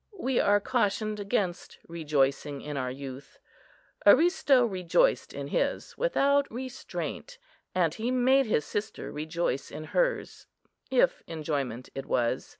We are cautioned against "rejoicing in our youth." Aristo rejoiced in his without restraint; and he made his sister rejoice in hers, if enjoyment it was.